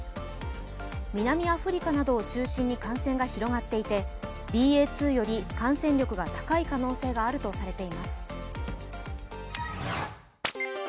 南アフリカなどを中心に感染が広がっていてＢＡ．２より感染力が高い可能性があるとされています。